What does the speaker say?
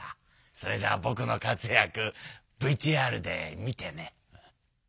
それじゃあぼくの活躍ＶＴＲで見てね。